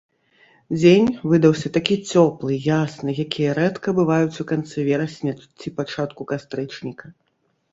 Дзень выдаўся такі цёплы, ясны, якія рэдка бываюць у канцы верасня ці пачатку кастрычніка.